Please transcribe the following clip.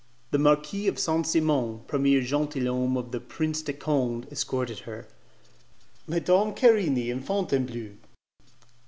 The Marquis of Saint Simon, premier 'gentilhomme' of the Prince de Conde, escorted her. "Madame Querini in Fontainebleau?"